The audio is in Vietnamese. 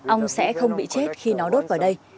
ong sẽ không bị chết khi nó đốt vào đây